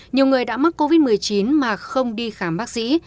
nhiều người đã mắc covid một mươi chín mà không đi khám bác sĩ